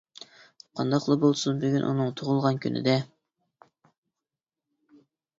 قانداقلا بولسۇن، بۈگۈن ئۇنىڭ تۇغۇلغان كۈنى-دە.